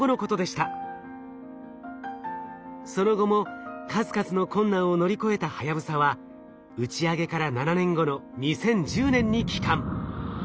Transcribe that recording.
その後も数々の困難を乗り越えたはやぶさは打ち上げから７年後の２０１０年に帰還。